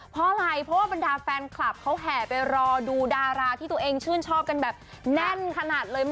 เพราะอะไรเพราะว่าบรรดาแฟนคลับเขาแห่ไปรอดูดาราที่ตัวเองชื่นชอบกันแบบแน่นขนาดเลย